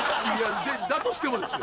だとしてもですよ。